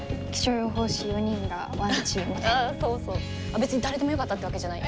別に誰でもよかったってわけじゃないよ？